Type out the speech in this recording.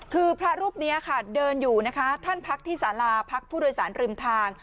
คือพระรูปนี้ค่ะเดินอยู่นะคะท่านพักที่สาราพักผู้โดยสารริมทาง